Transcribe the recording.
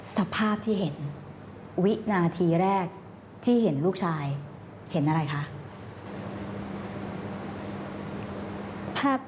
สภาพที่เห็นวินาทีแรกที่เห็นลูกชายเห็นอะไรคะ